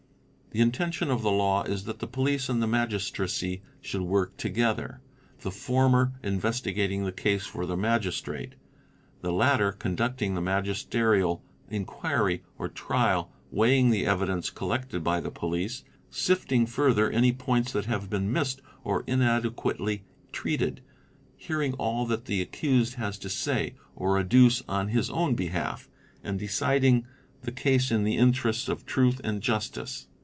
"The intention of the law is that the police and the magistracy should work together, the former investigating the case for the Magis trate, and the latter conducting the magisterial inquiry or trial, weighing the evidence collected by the police, sifting further any points that have been missed or inadequately treated, hearing all that the accused has to say or adduce on his own behalf, and deciding the case in the interests of truth and justice.